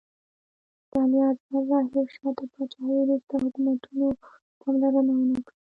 د اعلیحضرت ظاهر شاه تر پاچاهۍ وروسته حکومتونو پاملرنه ونکړه.